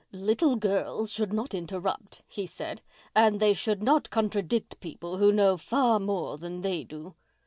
"Little girls should not interrupt," he said, "and they should not contradict people who know far more than they do."